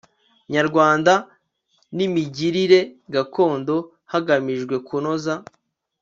nyarwanda n imigirire gakondo hagamijwe kunoza